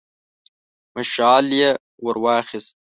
مشعل يې ور واخيست.